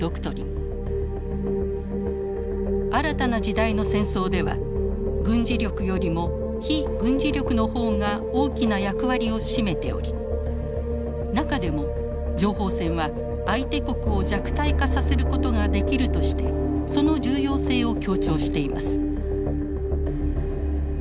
新たな時代の戦争では軍事力よりも非軍事力の方が大きな役割を占めており中でも「情報戦は相手国を弱体化させることができる」としてその重要性を強調しています。